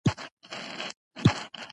دښته د روح له غږ سره نږدې ده.